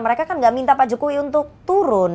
mereka kan nggak minta pak jokowi untuk turun